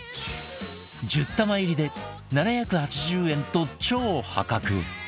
１０玉入りで７８０円と超破格